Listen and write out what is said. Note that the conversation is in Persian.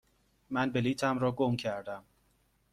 من بلیطم را گم کردم.